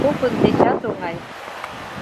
Попын дечат оҥай...